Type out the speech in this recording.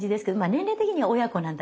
年齢的には親子なんだけど。